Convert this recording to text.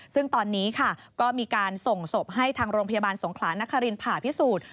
ซึ่งตอนนี้ค่ะก็มีการส่งศพให้ทางโรงพยาบาลสงขลานครินผ่าพิสูจน์